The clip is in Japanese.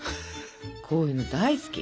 こういうの大好き！